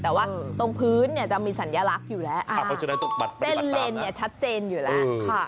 แต่ว่าตรงพื้นจะมีสัญลักษณ์อยู่แล้วเส้นเลนชัดเจนอยู่แล้ว